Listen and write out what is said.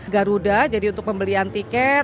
garuda jadi untuk pembelian tiket